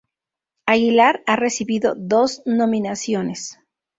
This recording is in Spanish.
Aguilar ha recibido dos nominaciones.